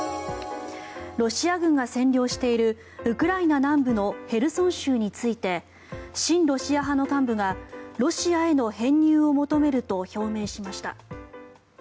ロシア軍が占領しているウクライナ南部のヘルソン州について親ロシア派の幹部がロシアへの編入を求めると表明しました。